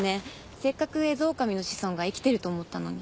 せっかくエゾオオカミの子孫が生きていると思ったのに。